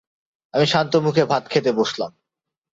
আমি শান্তমুখে ভাত খেতে বসলাম।